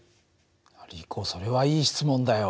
リコそれはいい質問だよ。